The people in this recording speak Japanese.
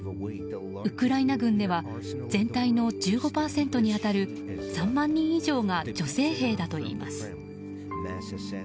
ウクライナ軍では全体の１５％に当たる３万人以上が女性兵だといいます。